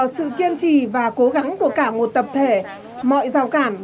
suốt gần hai năm qua